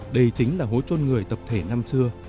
đây chính là hố trôn người tập thể năm xưa